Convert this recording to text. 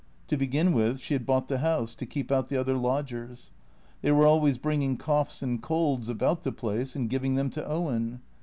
To begin with, she had bought the house, to keep out the other lodgers. They were always bringing coughs and colds about the place and giving them to Owen.